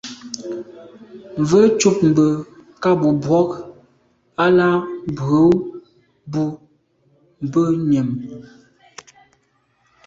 Mvə̌ cúp mbə̄ ká bù brók á lá mbrə̀ bú bə̂ nyə̀m.